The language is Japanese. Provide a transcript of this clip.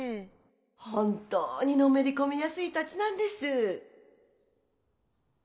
本当にのめり込みやすいタチなんです